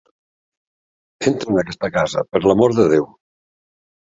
Entra en aquesta casa, per l"amor de Déu!